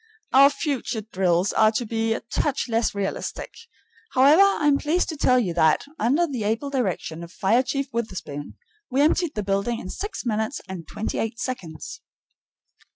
Our future drills are to be a touch less realistic. However, I am pleased to tell you that, under the able direction of Fire Chief Witherspoon, we emptied the building in six minutes and twenty eight seconds.